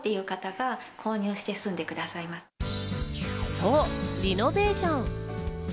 そう、リノベーション。